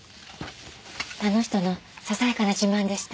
あの人のささやかな自慢でした。